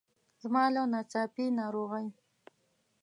زما له ناڅاپي ناروغۍ.